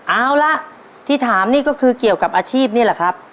เอาล่ะที่ถามนี่ก็คือเกี่ยวกับอาชีพนี่แหละครับ